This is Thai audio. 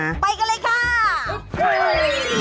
ไปกันเลยค่ะ